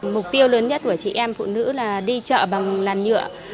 mục tiêu lớn nhất của chị em phụ nữ là đi chợ bằng làn nhựa